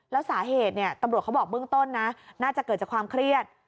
แล้วสาเหตุเนี่ยตำรวจเขาบอกเบื้องต้นนะน่าจะเกิดจากความเครียด